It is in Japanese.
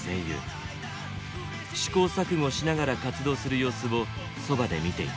試行錯誤しながら活動する様子をそばで見ていた。